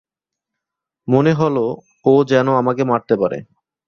মনে হল ও যেন আমাকে মারতে পারে।